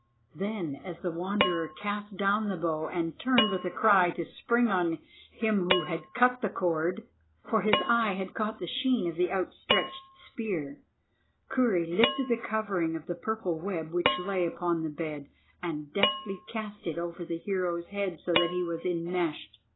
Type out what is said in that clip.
Then, as the Wanderer cast down the bow and turned with a cry to spring on him who had cut the cord, for his eye had caught the sheen of the outstretched spear, Kurri lifted the covering of the purple web which lay upon the bed and deftly cast it over the hero's head so that he was inmeshed.